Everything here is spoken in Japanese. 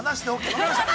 分かりました。